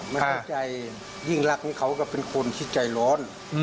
มั่นใจยิ่งรักนี่เขาก็เป็นคนที่ใจร้อน